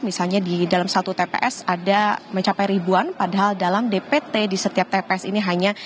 misalnya di dalam satu tps ada mencapai ribuan padahal dalam dpt di setiap tps ini hanya